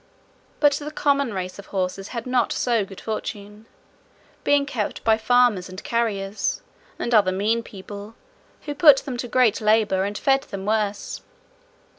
But the common race of horses had not so good fortune, being kept by farmers and carriers, and other mean people, who put them to greater labour, and fed them worse."